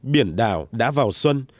biển đảo đã vào xuân